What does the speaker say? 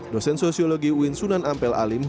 dosen sosiologi uin sunan ampel alim